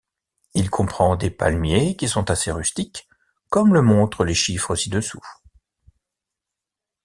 Il comprend des palmiers qui sont assez rustiques, comme le montrent les chiffres ci-dessous.